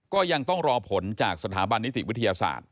ก็ยังต้องรอผลจากสถาบันนิติวิทยาศาสตร์